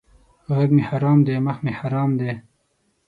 ږغ مې حرام دی مخ مې حرام دی!